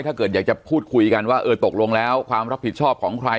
ถ้าเกิดอยากจะพูดคุยกันว่าเออตกลงแล้วความรับผิดชอบของใคร